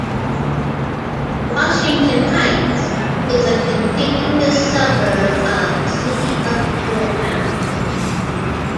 Washington heights is a contiguous suburb of City of Middletown.